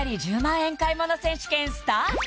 円買い物選手権スタート